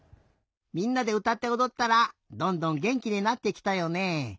みんなでうたっておどったらどんどんげんきになってきたよねえ。